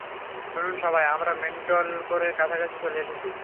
শুনুন সবাই, আমরা মেন্টল কোরের কাছাকাছি চলে এসেছি।